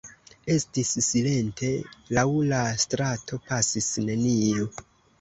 Estis silente, laŭ la strato pasis neniu.